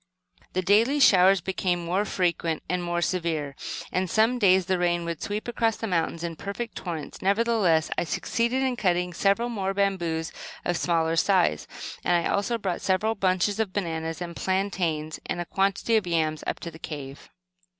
The daily showers became more frequent and more severe, and some days the rain would sweep across the mountain in perfect torrents. Nevertheless, I succeeded in cutting several more bamboos, of smaller size, and I also brought several bunches of bananas and plantains, and a quantity of yams up to the cave.